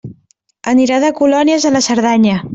Anirà de colònies a la Cerdanya.